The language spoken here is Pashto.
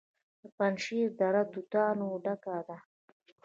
د پنجشیر دره د توتانو ډکه ده.